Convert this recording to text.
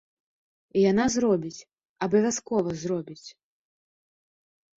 І яна зробіць, абавязкова зробіць.